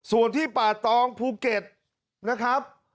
ส่วนที่ป่าตองภูเก็ตนะครับ